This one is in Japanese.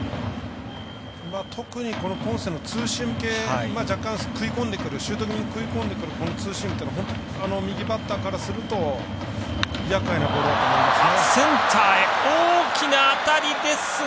特にポンセのツーシーム系若干、シュート気味に食い込んでくるツーシームというのは本当に右バッターからするとやっかいなボールだと思います。